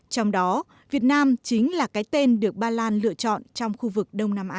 trong đó việt nam chính là cái tên được ba lan lựa chọn trong khu vực đông nam á